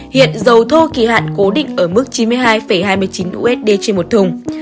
hiện dầu thô kỳ hạn cố định ở mức chín mươi hai hai mươi chín usd trên một thùng